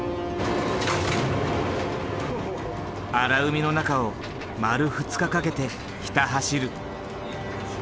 荒海の中を丸２日かけてひた走る。